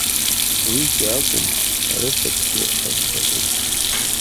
Уигьы акәым, рыфатәгьы хаз-хазуп.